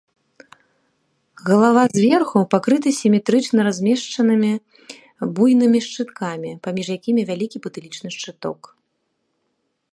Галава зверху пакрыта сіметрычна размешчанымі буйнымі шчыткамі, паміж якімі вялікі патылічны шчыток.